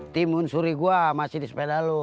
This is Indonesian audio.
timun suri gua masih di sepeda lo